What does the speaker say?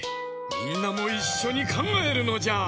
みんなもいっしょにかんがえるのじゃ！